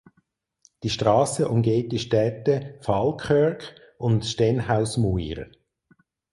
Die Straße umgeht die Städte Falkirk und Stenhousemuir.